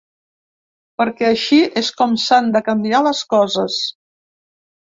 Perquè així és com s’han de canviar les coses.